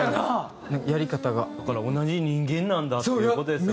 だから同じ人間なんだっていう事ですよね。